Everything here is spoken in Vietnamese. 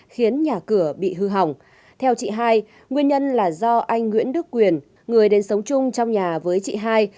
khiến nhà cửa bị hư hỏng theo chị hai nguyên nhân là do anh nguyễn đức quyền người đến sống chung trong nhà với chị hai